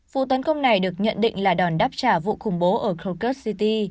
vụ tấn công này được nhận định là đòn đáp trả vụ khủng bố ở krakow